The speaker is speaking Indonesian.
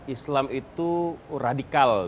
islam itu radikal